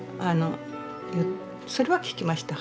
それは聞きました母から。